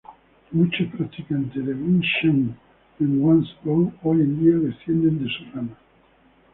Muchos practicantes de Wing Chun en Guangzhou hoy en día descienden de su rama.